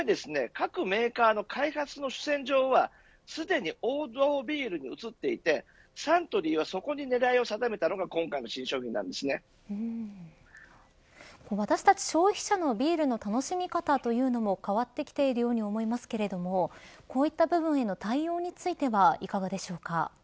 各メーカーの開発の主戦場はすでに王道ビールに移っていてサントリーはそこに狙いを定めたのが私たち消費者のビールの楽しみ方というのも変わってきているように思いますけれどもこういった部分への対応についてはいかがでしょうか。